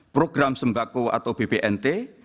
program sembako atau bpnt